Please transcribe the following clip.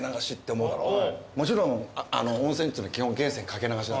もちろん温泉っていうの基本源泉掛け流し。